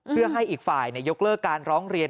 เพื่อให้อีกฝ่ายยกเลิกการร้องเรียน